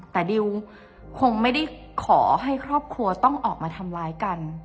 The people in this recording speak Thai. แต่ดิวคงไม่ได้ขอให้ครอบครัวต้องออกมาทำร้ายกัน